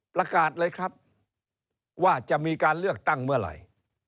ประกาศเลยครับว่าจะมีการเลือกตั้งเมื่อไหร่